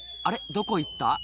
どこ行った？」